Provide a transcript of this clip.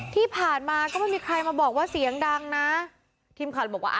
ที่ผ่านมาก็ไม่มีใครมาบอกว่าเสียงดังนะทีมข่าวเลยบอกว่าอ่ะ